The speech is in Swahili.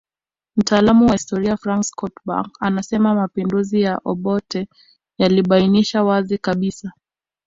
Mtaalamu wa historia Frank Schubert anasema mapinduzi ya Obote yalibainisha wazi kabisa